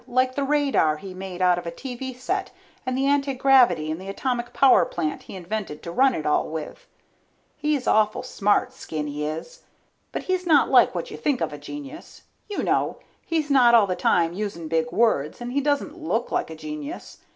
Like the radar he made out of a TV set and the antigravity and the atomic power plant he invented to run it all with. He's awful smart, Skinny is, but he's not like what you think of a genius. You know, he's not all the time using big words, and he doesn't look like a genius.